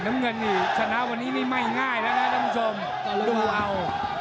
น้ำแบนเดียวดูเอา